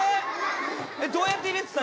どうやって入れてた？